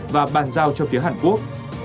và bàn giao cho phía hàn quốc